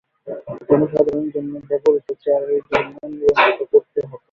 জনসাধারণের জন্যে ব্যবহৃত চেয়ারের জন্য নিবন্ধন করতে হতো।